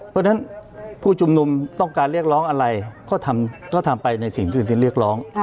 เพราะฉะนั้นผู้ชุมนุมต้องการเรียกร้องอะไรก็ทำไปในสิ่งที่เรียกร้อง